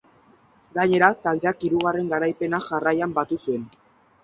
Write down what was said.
Gainera, taldeak hirugarren garaipena jarraian batu zuen.